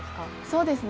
そうですね。